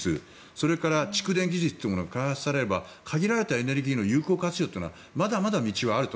それから蓄電技術というものが開発されれば限られたエネルギーの有効活用というのはまだまだ道はある。